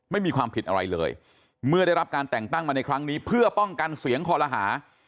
ไม่มีความผิดอะไรเลยเมื่อได้รับการแต่งตั้งมาในครั้งนี้เพื่อป้องกันเสียงคอลหา